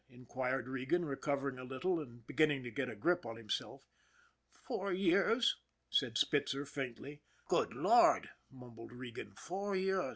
inquired Regan, recovering a little and beginning to get a grip on himself. " Four years," said Spitzer faintly. " Good Lord !" mumbled Regan. " Four years.